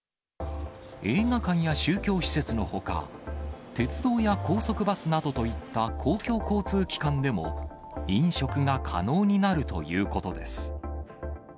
映画館や宗教施設のほか、鉄道や高速バスなどといった公共交通機関でも、飲食が可能になるということです。